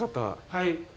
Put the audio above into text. はい。